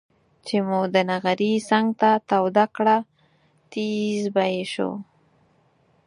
چې مو د نغري څنګ ته توده کړه تيزززز به یې شو.